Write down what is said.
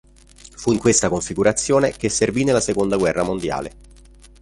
Fu in questa configurazione che servì nella seconda guerra mondiale.